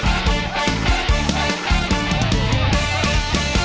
หวังว่าอากาศรายได้เป็นสิ่งที่แย่กว่า